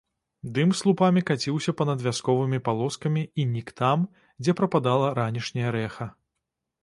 Дым слупамі каціўся па-над вясковымі палоскамі і нік там, дзе прападала ранішняе рэха.